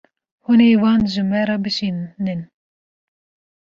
Hûn ê wan ji me re bişînin.